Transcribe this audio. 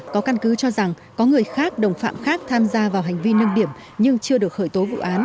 có căn cứ cho rằng có người khác đồng phạm khác tham gia vào hành vi nâng điểm nhưng chưa được khởi tố vụ án